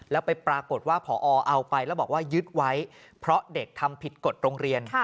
แล้วไปปรากฏว่าพอเอาไปแล้วบอกว่ายึดไว้เพราะเด็กทำผิดกฎโรงเรียน